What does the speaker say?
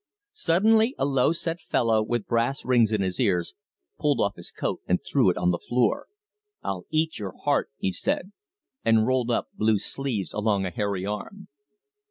Suddenly a low set fellow, with brass rings in his ears, pulled off his coat and threw it on the floor. "I'll eat your heart," he said, and rolled up blue sleeves along a hairy arm.